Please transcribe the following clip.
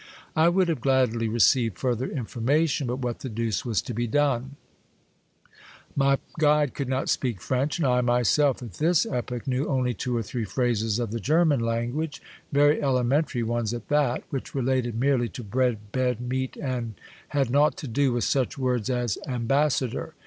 I would have gladly received further information, but what the deuce was to be done? 312 Monday Tales, My guide could nox speak French, and I myself at this epoch knew only two or three phrases of the German language, very elementary ones at that, which related merely to bread, bed, meat, and had naught to do with such words as " ambassador."